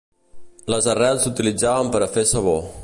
Les arrels s'utilitzaven per a fer sabó.